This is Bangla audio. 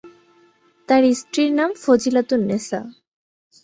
তার স্ত্রীর নাম ফজিলাতুন্নেছা।